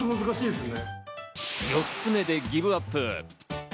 ４つ目でギブアップ。